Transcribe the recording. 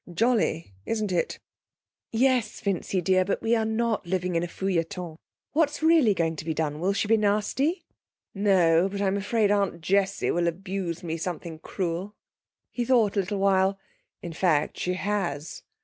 Jolly, isn't it?' 'Yes, Vincy dear, but we're not living in a feuilleton. What's really going to be done? Will she be nasty?' 'No. But I'm afraid Aunt Jessie will abuse me something cruel.' He thought a little while. 'In fact she has.'